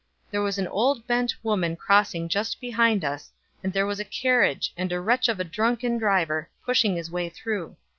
There was an old bent woman crossing just behind us, and there was a carriage, and a wretch of a drunken driver pushing his way through.